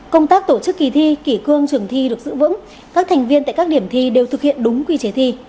công tác tổ chức kỳ thi kỷ cương trường thi được giữ vững các thành viên tại các điểm thi đều thực hiện đúng quy chế thi